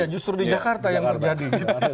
justru di jakarta yang terjadi